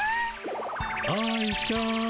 愛ちゃん。